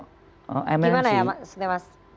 gimana ya mbak senevas